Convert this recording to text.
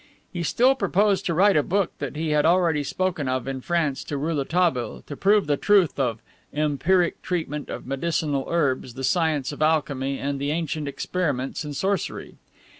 He still proposed to write a book that he had already spoken of in France to Rouletabille, to prove the truth of "Empiric Treatment of Medicinal Herbs, the Science of Alchemy, and the Ancient Experiments in Sorcery."